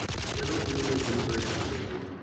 Eu não li o resumo do artigo ainda.